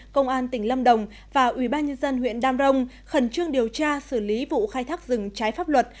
công an tỉnh lâm đồng và ủy ban nhân dân huyện đam rồng khẩn trương điều tra xử lý vụ khai thác rừng trái pháp luật